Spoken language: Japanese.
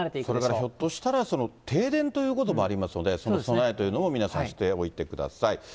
ひょっとしたら停電ということもありますので、備えというのも皆さんしておいてください。